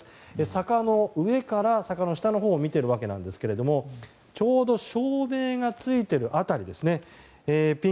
坂の上から坂の下のほうを見ているわけなんですがちょうど照明がついている辺りですね。